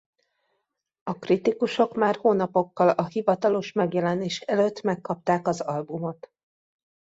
A kritikusok már hónapokkal a hivatalos megjelenés előtt megkapták az albumot.